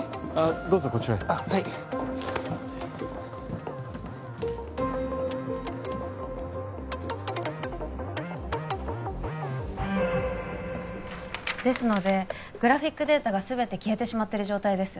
どうぞこちらへあっはいですのでグラフィックデータがすべて消えてしまってる状態です